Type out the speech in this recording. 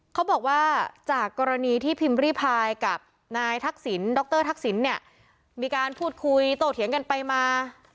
เขาบอกว่าจากกรณีที่พิมพ์ริพายกับนายทักษิณดรทักษิณเนี่ยมีการพูดคุยโตเถียงกันไปมา